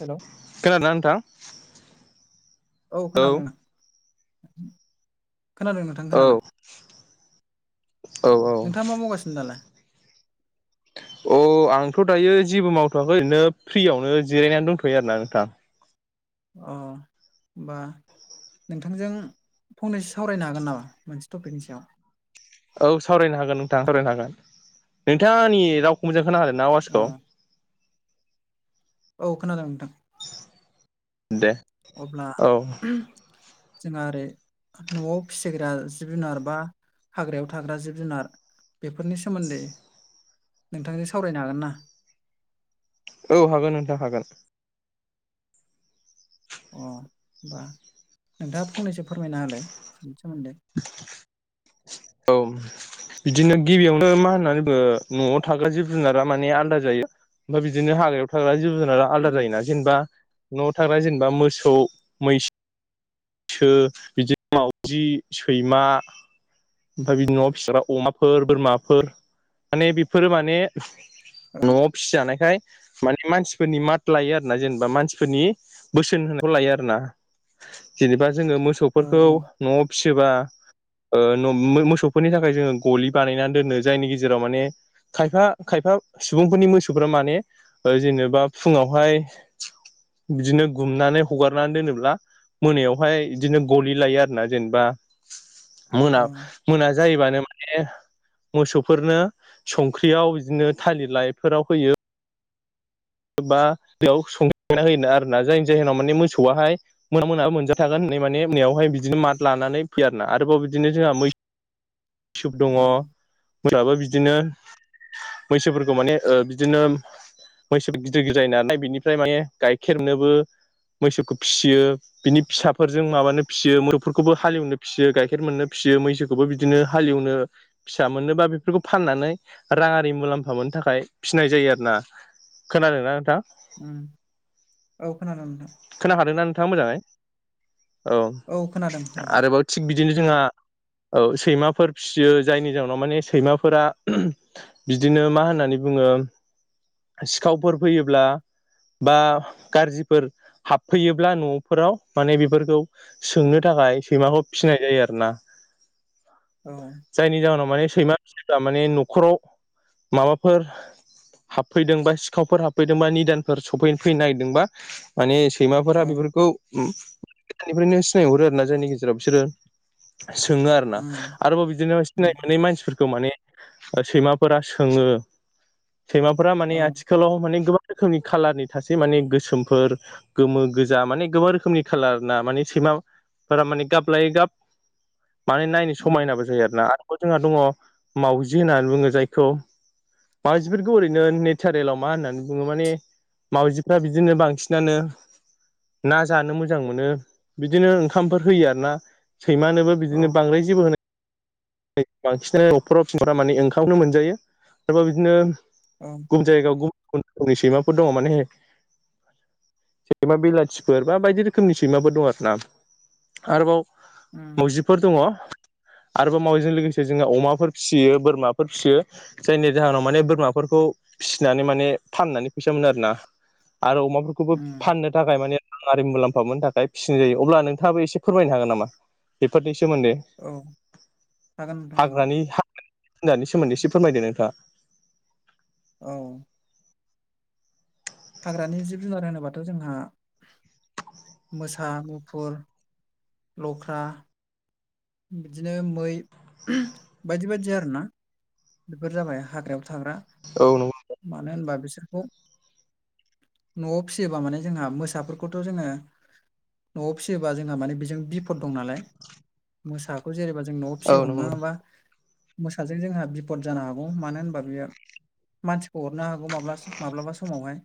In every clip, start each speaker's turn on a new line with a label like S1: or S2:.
S1: हेल'
S2: खोनादों ना नोंथां?
S1: औ खोनादों खोनादों नोंथां
S2: औ
S1: खोनादों। अ
S2: औ
S1: नोंथाङा मा मावगासिनो दालाय?
S2: अ आंथ' दायो जेबो मावथ'वाखै ओरैनो फ्रियावनो जिरायनानै दंथ'यो आरोना नोंथां।
S1: अ ओमबा नोंथांजों फंनैसो सावरायनो हागोन नामा? मोनसे टपिकनि सायाव
S2: औ सावरायनो हागोन नोंथां सावरायनो हागोन। नोंथांनि रावखौ मोजां खोनादों ना?
S1: अ
S2: आवाजखौ।
S1: औ खोनादों नोंथां।
S2: दे।
S1: अब्ला।
S2: औ
S1: जोंहा ओरै न'आव फिसिग्रा जिब जुनार बा हाग्रायाव थाग्रा जिब जुनार बेफोरनि सोमोन्दै नोंथांजों सावरायनो हागोन ना?
S2: औ हागोन नोंथां हागोन।
S1: अ होनोमबा नोंथाङा फंनैसो फोरमायना हालाय बिनि सोमोन्दै।
S2: [unintelligible] औ। बिदिनो गिबियावनो मा होननानै बुङो न'आव थाग्रा जिब जुनारा माने आलादा जायो। ओमफ्राय बिदिनो हागायाव थाग्रा जिब जुनारा। आलादा
S1: उम
S2: जायोना जेनेबा न'आव थाग्रा जेनेबा मोसौ मैसो फैसो बिदिनो मावउजि, सैमा, बिनि न'आव फिसारा अमाफोर, बोरमाफोर, माने बेफोरो माने
S1: औ
S2: न'आव फिसिजानायखाय माने मानसिफोरनि मात लायो आरो ना जेनेबा मानसिफोरनि बोसोन होनायखौ लायो आरोना जेनेबा जोङो
S1: औ
S2: मोसौफोरखौ न'आव फिसिबा मोसौफोरनि थाखाय जोङो गलि बानायनानै दोनो जायनि गेजेराव माने खायफा खायफा सुबुंफोरनि मोसौफ्रा माने जेनेबा फुङावहाय बिदिनो गुमनानै हगारनानै दोनोब्ला मोनायावहाय बिदिनो गलि लायो आरो ना जेनेबा मोना
S1: औ
S2: मोना जायोबानो माने मोसौफोरनो संख्रियाव बिदिनो थालिर लाइफोराव होयो। बा बेयाव संखांना होयोना आरोना जायनि जाहोनाव माने मोसौआहाय मोना मोनाबो मोनजाथागोन होननाय माने नयावहाय बिदिनो मात लानानै फैयार ना आरोबाव बिदिनो जोंहा मै इसप दङ।
S1: औ
S2: फोराबो बिदिनो मैसोफोरखौ माने ओ बिदिनो मैसो गिदिर गिदिर जायो नालाय बिनिफ्राय माने गाइखेरनोबो मैसोखौ फिसियो। बिनि फिसाफोरजों माबानो फिसियो मोसौफोरखौबो हालेवनो फिसियो गाइखेर मोननो फिसियो मैसोखौ बे खौबो बिदिनो हालेवनो फिसा मोननोबा बेफोरखौ फाननानै राङारि मुलाम्फा मोननो थाखाय फिनाय जायो आरो ना। खोनादों ना नोंथां?
S1: औ खोनादों नोंथां।
S2: खोनाहादोंना नोंथाङा मोजाङै औ।
S1: खोनादों नोंथां
S2: आरोबाव थिग बिदिनो जोंहा सैमाफोर फिसियो जायनि जउनाव माने सैमाफोरा बिदिनो मा होननानै बुङो सिखावफोर फैयोब्ला बा गाज्रिफोर हाबफैयोब्ला न'फोराव माने बेफोरखौ सोंनो
S1: उम
S2: थाखाय सैमाखौ फिसिनाय जायो आरो ना।
S1: औ।
S2: जायनि जाहोनाव माने सैमाफिसिब्ला माने न'खराव माबाफोर हाबफैदों बा सि सिखावफोर हाबफैदोंबा निदानफोर सफै फैनो नागिरदोंबा माने सैमाफोरा
S1: औ
S2: बेफोरखौ [unintelligible] निफ्रायनो सिनायहरो आरो ना जायनि गेजेराव बिसोरो सोङो आरो ना
S1: उम
S2: आरोबाव बिदिनो सिनाय
S1: उम
S2: मोनै मानसिफोरखौ माने सैमाफोरा सोङो सैमाफोरा
S1: औ
S2: माने आथिखाल आथिखालाव माने गोबां रोखोमनि खालारफोर थासै माने गोसोमफोर गोमो गोजा माने गोबां रोखोमनि खालार ना माने सैमा फोरा माने गाब लायै गाब माने नायनो
S1: उम
S2: समायनाबो जायो आरोना जोंहा दङ मावजि होननानै बुङो जायखौ माउजिफोरखौ ओरैनो ने सारेलाव मा होननानै बुङो माने मावजिफ्रा बिदिनो बांसिनानो ना जानो मोजां मोनो बिदिनो ओंखामफोर होयो आरोना सैमानोबो
S1: औ
S2: बिदिनो बांद्राय जेबो होनाय बांसिनानो [unintelligible] ओंखामखौनो मोनजायो आरोबा बिदिनो
S1: औ
S2: गुबुन जायगायाव गुबुन गुबुन रोखोमनि सैमाफोर दङ माने सैमा बिलाथिफोर बा बायदि रोखोमनि सैमाफोर दं आरोना आरोबाव
S1: उम
S2: मावजिफोर दङ आरोबाव मावजिजों लोगोसे जोंङो अमाफोर फिसियो बोरमाफोर फिसियो जायनि जाहोनाव माने बोरमाफोरखौ फिसिनानै माने फाननानै फैसा मोनो आरो ना आरो अमाफोरखौबो
S1: उम
S2: फाननो थाखाय माने रांआरि मुलाम्फा मोनो थाखाय फिसिनाय जायो अब्ला नोंथाङाबो एसे फोरमायनो हागोन नामा बेफोरनि सोमोन्दै
S1: औ हागोन नोंथां हागोन
S2: हाग्रानि [unintelligible] नि सोमोन्दै एसे फोरमायदो नोंथाङा
S1: औ हाग्रानि जिब जुनार होनोबाथ' जोंहा मोसा मुफुर लख्रा बिदिनो मै बायदि बायदि आरोना बेफोर जाबाय हाग्रायाव थाग्रा
S2: औ नंगौ
S1: मानो होनबा बिसोरखौ न'आव फिसियोबा माने जोंहा मोसाफोरखौथ' जोङो न'आव फिसियोबा जोंहा माने बेजों बिफद दं नालाय मोसाखौ जेनेबा जों न'आव
S2: औ
S1: फियो
S2: नंगौ
S1: [unintelligible] बा मोसाजों जोंहा बिफद जानो हागौ मानो होनबा बियो मानसिखौ हरनो हागौ माब्ला माब्लाबा समावहाय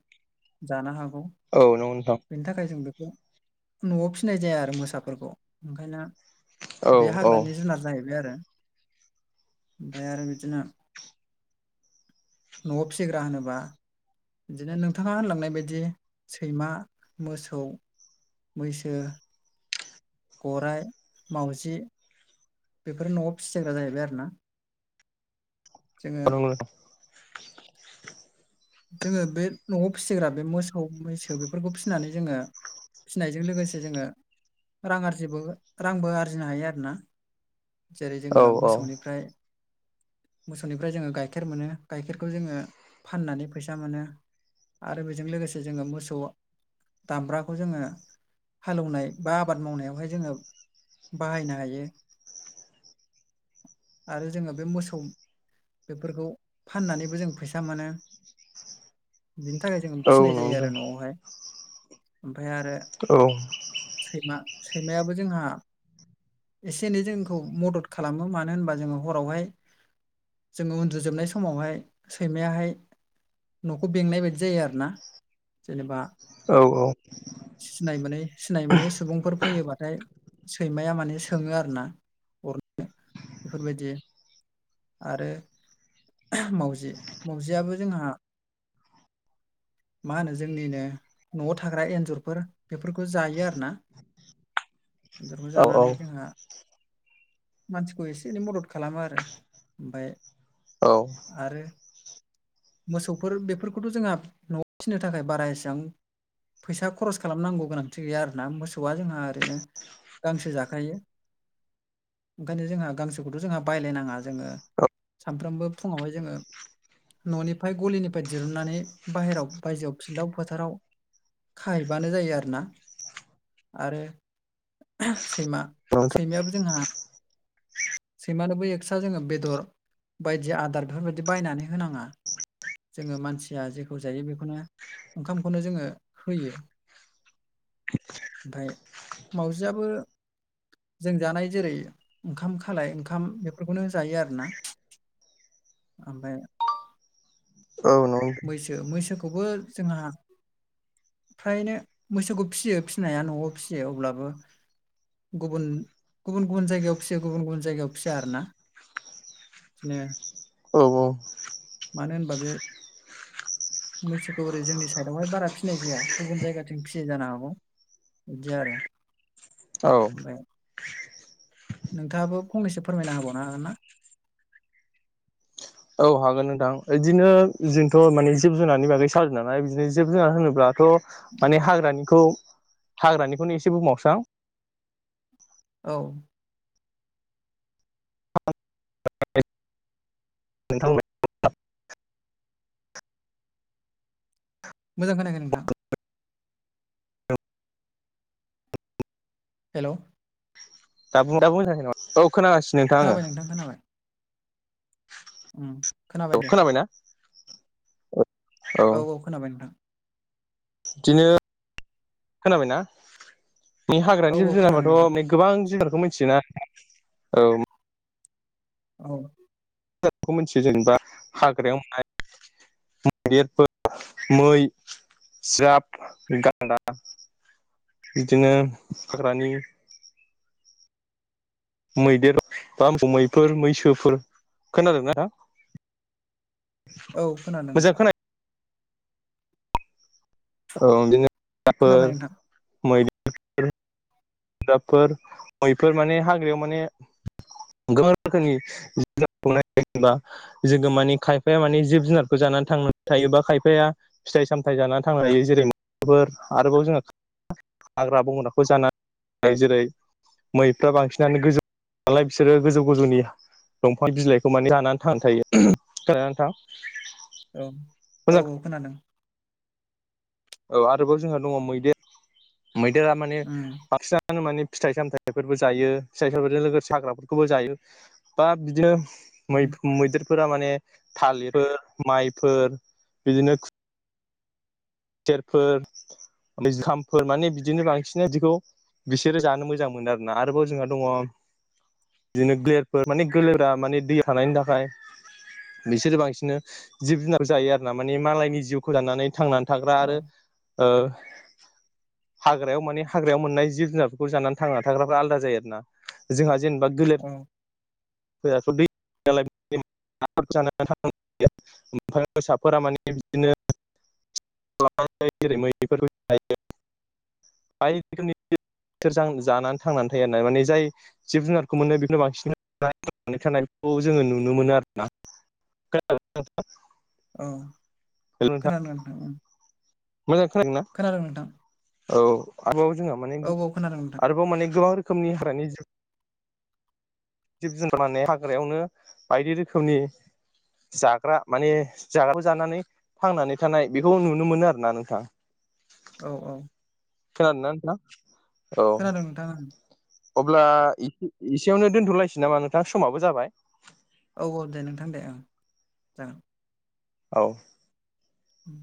S1: जानो हागौ
S2: औ नंगौ नोंथां
S1: बेनि थाखाय जों बेखौ न'आव फिनाय जाया आरो मोसाफोरखौ ओंखायनो बे
S2: औ
S1: हाग्रानि जुनार जाहैबाय आरो ओमफ्राय आरो बि बिदिनो न'आव फिसिग्रा होनोबा बिदिनो नोंथाङा होनलांनाय बायदि सैमा मोसौ मैसो गराय मावजि बेफोर न'आव फिसिग्रा जाहैबाय आरो ना जोङो
S2: [unintelligible]
S1: जोङो बे न'आव फिसिग्रा बे मोसौ मैसो बेफोरखौ फिसिनानै जोङो फिनायजों लोगोसे जोङो रां आरजिबो रांबो आरजिनो हायो आरोना जेरै
S2: नोंथां
S1: जोङो
S2: औ औ
S1: मोसौनिफ्राय मोसौनिफ्राय जोङो गाइखेर मोनो गाइखेरखौ जोङो फाननानै फैसा मोनो आरो बेजों लोगोसे जोङो मोसौ दामब्राखौ जोङो हालेवनाय बा आबाद मावनायावहाय जोङो बाहायनो हायो आरो जोङो बे मोसौ बेफोरखौ फाननानैबो जों फैसा मोनो बिनि थाखाय जों
S2: नंगौ नोंथां औ
S1: फिनाय
S2: नंगौ
S1: जायो आरो
S2: नोंथां
S1: न'आवहाय ओमफ्राय आरो
S2: औ
S1: सैमा सैमायाबो जोंहा एसे एनै जोंखौ मदद खालामो मानो होनबा जोङो हरावहाय जोङो उन्दुजोबनाय समावहाय सैमायाहाय न'खौ बेंनाय बायदि जायो आरोना जेनेबा
S2: औ औ
S1: सिनायमोनै सिनाय मोनै सुबुंफोर फैयोबाथाय सैमाया माने सोङो आरो ना रनो [unintelligible] बेफोरबायदि आरो मावजि मावजियाबो जोंहा मा होनो जोंनिनो न'आव थाग्रा एन्जरफोर बेफोरखौ जायो आरो ना [unintelligible] जरखौ
S2: औ औ
S1: जानानै जोंहा मानसिखौ एसे एनै मदद खालामो आरो ओमफ्राय
S2: औ
S1: आरो मोसौ फोर बेफोरखौथ' जोंहा न'आव फिसिनो थाखाय बारा एसेबां फैसा खरस खालामनांगौ गोनांथि गैया आरोना मोसौआ जोंहा ओरैनो गांसो जाखायो ओंखायनो जोंहा गांसोखौथ' जोंहा बायलायनाङा जोङो
S2: औ
S1: सानफ्रोमबो फुङावहाय जोङो न'निफ्राय गलिनिफ्राय बे दिरुननानै बाहेराव बायजोआव फिलाव फोथाराव खाहैबानो जायो आरोना आरो सैमा
S2: नोंथां
S1: सैमायाबो जोंहा सैमानोबो एक्सट्रा जोङो बेदर बायदि आदार बेफोरबायदि बायनानै होनाङा जोङो मानसिया जेखौ जायो बेखौनो ओंखामखौनो जोङो होयो ओमफ्राय मावजिआबो जों जानाय जेरै ओंखाम खालाय ओंखाम बेफोरखौनो जायो आरोना ओमफ्राय [unintelligible]
S2: औ नो [unintelligible]
S1: मैसो मैसोखौबो जोंहा फ्रायनो मोसौखौ फिसियो फिसिनाया न'आव फिसियो अब्लाबो गुबुन गुबुन गुबुन जायगायाव फिसियो गुबुन गुबुन जायगायाव फिसिया आरो ना [unintelligible]
S2: औ
S1: मानो होनबा बे मैसोखौ ओरै जोंनि साइडआवहाय बारा फिसिनाय जाया गुबुन जायगाथिं फिसियो जानो हागौ इदि आरो
S2: औ
S1: ओमफ्राय नोंथाङाबो फंनैसो फोरमायना होबावनो हागोन ना
S2: औ हागोन नोंथां बिदिनो जोंथ' माने जिब जुनारनि बागै सावरायदो नालाय बिदिनो जिब जुनार होनोब्लाथ' माने
S1: उम,
S2: हाग्रानिखौ हाग्रानिखौनो एसे बुंबावनोसै आं
S1: औ
S2: [unintelligible]
S1: मोजां खोनायाखै नोंथां हेल'
S2: दाबो मोजां खोनायाखै नामा [unintelligible] ओ खोनागासिनो
S1: खोनाबाय नोंथां खोनाबाय ओम
S2: औ
S1: खोनाबाय दे
S2: खोनाबायना
S1: औ औ खोनाबाय नोंथां
S2: बिदिनो खोनाबायना
S1: औ
S2: हाग्रानि जिब
S1: खोनादों नोंथां
S2: जुनाराथ [unintelligible] गोबां जुनारखौ मिथियोना औ
S1: औ
S2: मिथियो जेनेबा हाग्रायाव [unintelligible] [unintelligible] मैदेरफोर मै जाब गान्दा बिदिनो हाग्रानि मैदेर बा मैफोर मैसोफोर खोनादोंना हा?
S1: औ खोनादों।
S2: मोजां खोना औ बिदिनो
S1: खोनाबाय नोंथां
S2: [unintelligible] दाबफोर मैफोर माने हाग्रायाव माने गोबां रोखोमनिबा जोङो मानि खायफाया मानि जिब-जुनारखौ जानानै थांनानै थायोबा खायफाया। फिथाइ सामथायाइ जानानै थांनो हायो जेरै मफोर आरोबाव जोंहा हाग्रा बंग्राखौ जानानै। फ्राय जेरै मैफ्रा बांसिनानो गोजौ नालाय बिसोरो गोजौ गोजौनि दंफां-बिलाइखौ माने लानानै थां थायो खानानै नोथां।
S1: औ औ औ खोनादों।
S2: औ आरोबाव जोंहा दङ मैदेर मैदेरा माने
S1: उम
S2: बांसिन माने फिथाइ-सामथायफोरबो जायो फिथाइ सामाइजों लोगोसे हाग्राफोरखौबो जायो। दा बिदिनो मै
S1: उम
S2: मैदेरफोरा माने थालिरफोर माइफोर बिदिनो। गेरफोर ओ जुखामफोर माने बिदिनो बांसिनो बिखौ बिसोरो जानो मोजां मोनो आरोना आरोबाव जोंहा दङ। बिदिनो गोलेरफोर माने गोलेरा माने दै थानायनि थाखाय। बिसोरो बांसिन जिब जुनार जायो आरो ना माने मालायनि जिउखौ दानानै थांनानै। थाग्रा
S1: औ
S2: आरो ओ हाग्रायाव माने हाग्रायाव मोननाय जिब जुनारफोरखौ जानानै थांना थाग्राफ्रा आलादा जायो आरो ना। जोंहा जेनेबा गोलेर
S1: औ
S2: [unintelligible] [unintelligible] माने बिदिनो जेरै मैफोर गेजेरजों जानानै थांनानै थायो ना माने जाय जिब जुनारखौ मोनो बेखौनो बांसिननानै थानायखौ जोङो नुनो मोनो आरोना। [unintelligible]
S1: ओ
S2: हेल'
S1: खोनादों ना नोंथां?
S2: मोजां खोनादों ना?
S1: मोन दा
S2: औ आरोबाव जोंहा माने
S1: औ खोनादों नोंथां
S2: आरोबाव माने गोबां रोखोमनि हागानि ज जिब-जुनार माने हाग्रायावनो बायदि रोखोमनि जाग्रा माने जाग्रााबो जानानै थांनानै थानाय बेखौ नुनो मोनो आरो ना नोंथां।
S1: औ औ।
S2: खोनादोंना नोंथाङा?
S1: खोनादों नोंथाङा?
S2: अब्ला एसेयावनो दोनथ'लायसै नामा नोंथां समाबो जाबाय।
S1: औ औ दे नोंथां दे ओ जागोन।
S2: औ।
S1: उम।